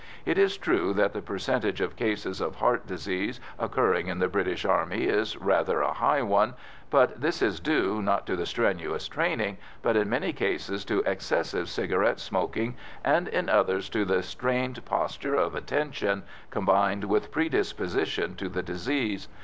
It is true that the percentage of cases of heart disease occurring in the British Army is rather a high one, but this is due not to the strenuous training, but in many cases to excessive cigarette smoking and in others to the strained posture of "attention," combined with predisposition to the disease.